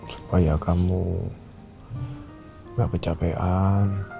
supaya kamu gak kecapean